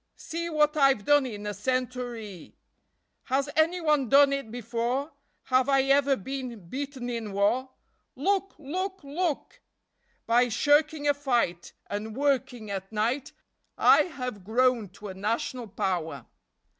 See what I've done in a century! Has any one done it_before? Have I ever been beaten'in war? Look! Look! Look! By shirking a fight and working at night I have grown to a National power!